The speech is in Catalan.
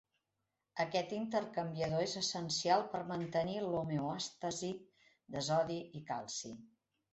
Aquest intercanviador és essencial per mantenir l'homeòstasi de sodi i calci.